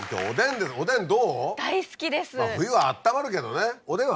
冬はあったまるけどね。